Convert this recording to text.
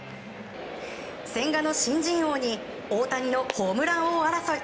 千賀の新人王に大谷のホームラン王争い。